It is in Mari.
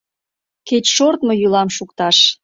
Кеч шортмо йӱлам шукташ.